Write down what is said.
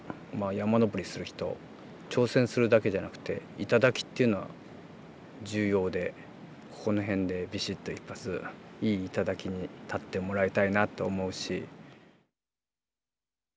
山登りする人挑戦するだけじゃなくて頂というのは重要でこの辺でビシッと一発いい頂に立ってもらいたいなと思うし。